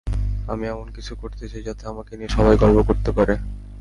আমি এমন কিছু করতে চাই, যাতে আমাকে নিয়ে সবাই গর্ব করতে পারে।